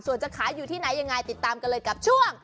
ส่วนจะขายอยู่ที่ไหนยังไงติดตามกันเลยกับช่วง